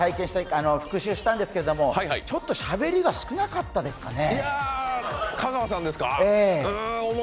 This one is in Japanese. ＴＶｅｒでそのあと復習したんですけど、ちょっとしゃべりが少なかったですかね？